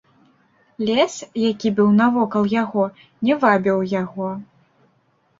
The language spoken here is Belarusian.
Лес, які быў навокал яго, не вабіў яго.